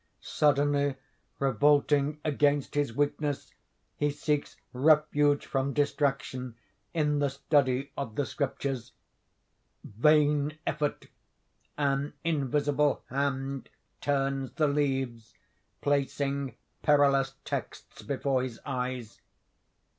Suddenly revolting against his weakness, he seeks refuge from distraction in the study of the Scriptures. Vain effort! An invisible hand turns the leaves, placing perilous texts before his eyes.